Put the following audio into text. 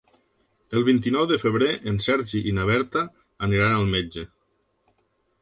El vint-i-nou de febrer en Sergi i na Berta aniran al metge.